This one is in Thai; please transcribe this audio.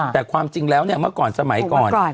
แต่ความจริงแล้วเนี่ยเมื่อก่อนสมัยก่อน